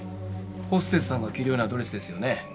ホステスさんが着るようなドレスですよね。